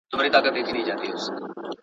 مدیتیشن د اندېښنو په کمولو کي مرسته کوي.